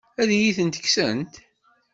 Ad iyi-tent-kksent?